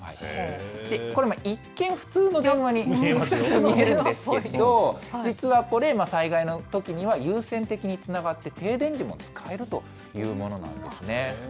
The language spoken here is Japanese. これ、一見普通の電話に見えるんですけど、実はこれ、災害のときには優先的につながって、停電時も使えるというものなんですね。